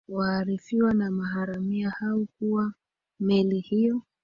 waarifiwa na maharamia hawo kuwa meli hiyo